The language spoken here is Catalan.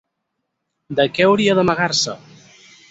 ¿De què hauria d'amagar-se?